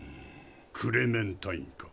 クレメンタインか。